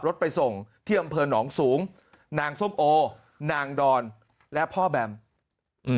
ไปส่งที่อำเภอหนองสูงนางส้มโอนางดอนและพ่อแบมอืม